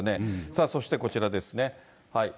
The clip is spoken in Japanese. さあ、そしてこちらですね。